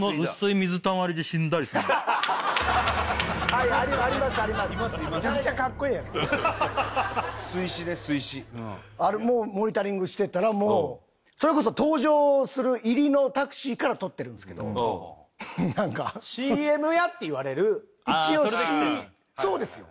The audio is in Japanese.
水死あれモニタリングしてたらもうそれこそ登場する入りのタクシーから撮ってるんですけど何か「ＣＭや」って言われるああそれで来てたんだ一応Ｃそうですよ